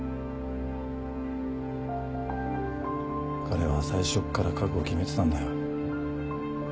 彼は最初っから覚悟決めてたんだよ。